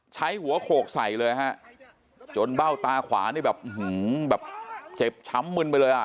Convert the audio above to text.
ใช้หัวโขกใส่เลยฮะจนเบ้าตาขวานี่แบบเจ็บช้ำมึนไปเลยอ่ะ